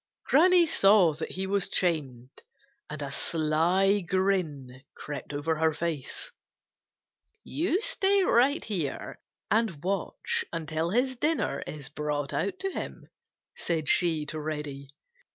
Granny saw that he was chained and a sly grin crept over her face. "You stay right here and watch until his dinner is brought out to him," said she to Reddy.